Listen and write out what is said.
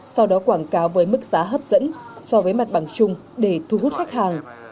sau đó quảng cáo với mức giá hấp dẫn so với mặt bằng chung để thu hút khách hàng